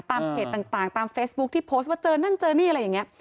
เพจต่างตามเฟซบุ๊คที่โพสต์ว่าเจอนั่นเจอนี่อะไรอย่างนี้